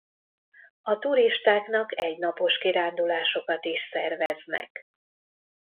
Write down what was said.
A turistáknak egynapos kirándulásokat is szerveznek.